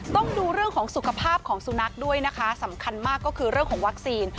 ต้องดูเรื่องของสุขภาพของสุนัขด้วยนะคะสำคัญมากก็คือเรื่องของวัคซีน